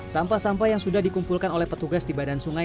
sampah sampah yang sudah dikumpulkan oleh petugas di badan sungai